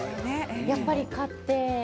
やっぱり買って食べる。